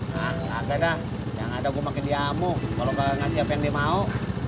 nah gak ada yang ada gue pake diamu kalau gak ngasih apa yang dia mau